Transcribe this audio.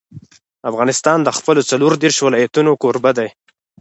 افغانستان د خپلو څلور دېرش ولایتونو کوربه دی.